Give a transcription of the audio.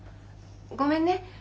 ごめんね。